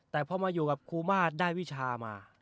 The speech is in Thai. แต่พอมาอยู่กับครูมาศได้วิชามา